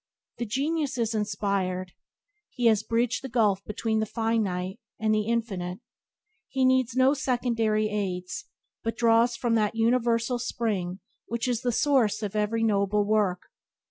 The genius is inspired. He has bridged the gulf between the finite and infinite. He needs no secondary aids, but draws from that universal spring which is the source of every noble work.